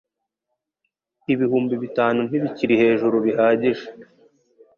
Ibihumbi bitanu ntibikiri hejuru bihagije.